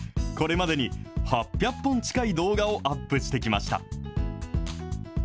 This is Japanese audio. これまでに８００本近い動画をアップしてきました。